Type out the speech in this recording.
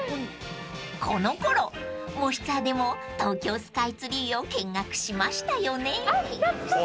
［このころ『もしツア』でも東京スカイツリーを見学しましたよね］